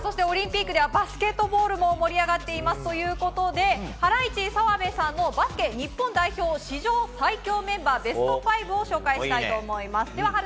バスケットボールも盛り上がっているということでハライチ澤部さんのバスケ日本代表の史上最強メンバーベスト５を紹介したいと思います。